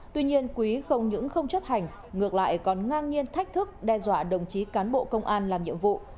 tuy nhiên quý không những không chấp hành ngược lại còn ngang nhiên thách thức đe dọa đồng chí cán bộ công an làm nhiệm vụ